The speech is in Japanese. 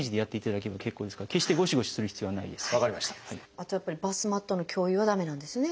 あとやっぱりバスマットの共有は駄目なんですね。